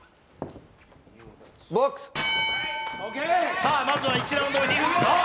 さあ、まずは１ラウンド目。